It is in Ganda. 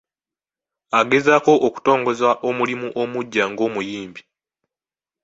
Agezaako okutongoza omulimu omuggya ng'omuyimbi.